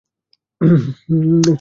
সে নিজের চুল নিজে কাটে।